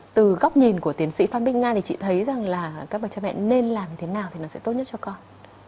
từ góc nhìn của tiến sĩ phan bích nga thì chị thấy rằng là các bậc cha mẹ nên làm thế nào thì nó sẽ tốt nhất cho con